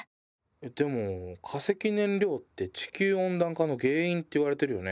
でも化石燃料って地球温暖化の原因っていわれてるよね。